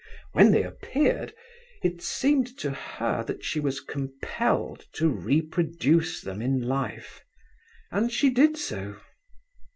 When they appeared, it seemed to her that she was compelled to reproduce them in life, and she did so.